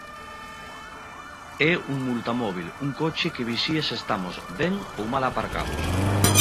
É un multamóbil, un coche que vixía se estamos ben ou mal aparcados.